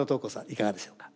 いかがでしょうか？